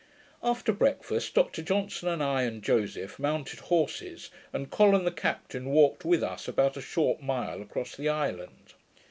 After breakfast, Dr Johnson and I, and Joseph, mounted horses, and Col and the captain walked with us about a short mile across the island.